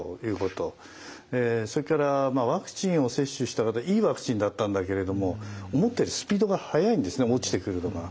それからワクチンを接種した方いいワクチンだったんだけれども思ったよりスピードが速いんですね落ちてくるのが。